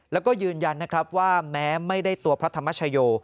แล้วก็ยืนยันนะครับว่าแม้ไม่ได้ตัวพระธรรมชโย